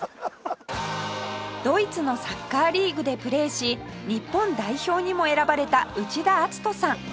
ドイツのサッカーリーグでプレーし日本代表にも選ばれた内田篤人さん